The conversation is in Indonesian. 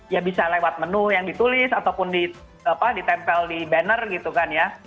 ya bisa lewat menu yang ditulis ataupun ditempel di banner gitu kan ya